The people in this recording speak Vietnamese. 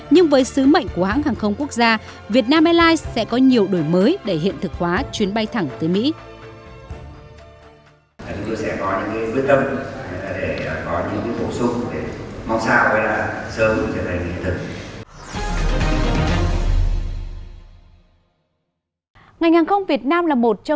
nhưng với sứ mệnh của hãng hàng không quốc gia việt nam airlines sẽ có nhiều đổi mới để hiện thực hóa chuyến bay thẳng tới mỹ